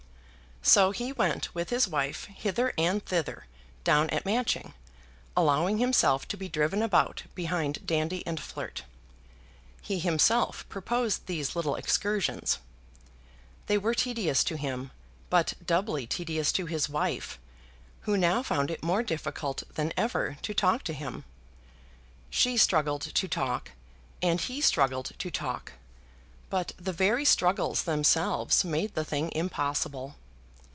So he went with his wife hither and thither, down at Matching, allowing himself to be driven about behind Dandy and Flirt. He himself proposed these little excursions. They were tedious to him, but doubly tedious to his wife, who now found it more difficult than ever to talk to him. She struggled to talk, and he struggled to talk, but the very struggles themselves made the thing impossible.